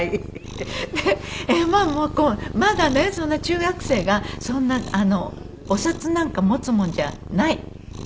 でえっまだ「まだねそんな中学生がそんなお札なんか持つもんじゃない」っていう。